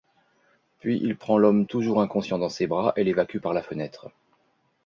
Puis il prend l’homme toujours inconscient dans ses bras et l’évacue par la fenêtre.